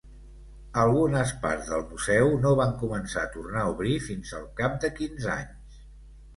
Algunes parts del museu no van començar a tornar a obrir fins al cap de quinze anys.